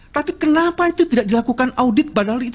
tapi kenapa itu tidak dilakukan audit padahal itu